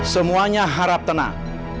semuanya harap tenang